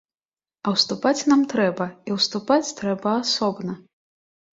А ўступаць нам трэба, і ўступаць трэба асобна.